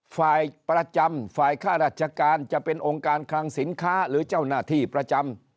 ฝ่ายประจำฝ่ายค่าราชการจะเป็นองค์การคลังสินค้าหรือเจ้าหน้าที่ประจำ